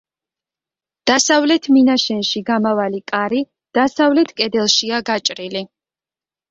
დასავლეთ მინაშენში გამავალი კარი დასავლეთ კედელშია გაჭრილი.